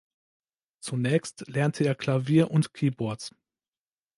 Zunächst lernte er Klavier und Keyboards.